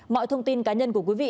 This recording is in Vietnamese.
mọi thông tin cá nhân của quý vị